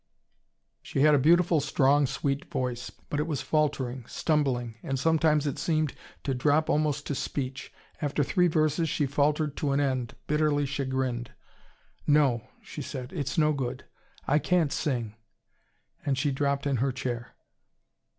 _" She had a beautiful, strong, sweet voice. But it was faltering, stumbling and sometimes it seemed to drop almost to speech. After three verses she faltered to an end, bitterly chagrined. "No," she said. "It's no good. I can't sing." And she dropped in her chair.